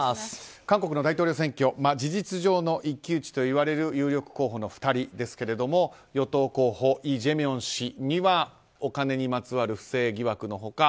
韓国の大統領選挙事実上の一騎打ちといわれる有力候補の２人ですけれども与党候補イ・ジェミョン氏にはお金にまつわる不正疑惑の他